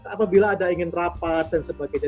apabila ada ingin rapat dan sebagainya